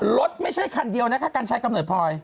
รถไม่ใช่คันเดียวนะคะกันใช้กำหนดพร้อย